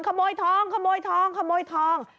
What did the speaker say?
ขโมยทองขโมยทองขโมยทอง